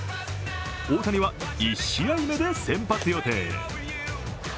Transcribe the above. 大谷は１試合目で先発予定。